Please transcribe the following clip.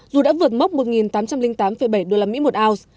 dù đã vượt mốc một tám trăm linh tám bảy usd một ounce